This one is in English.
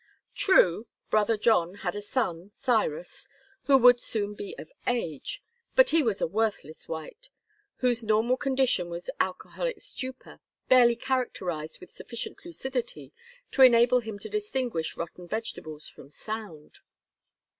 True, Brother John had a son, Cyrus, who would soon be of age, but he was a worthless wight, whose normal condition was alcoholic stupor, barely characterized with sufficient lucidity to enable him to distinguish rotten vegetables from sound.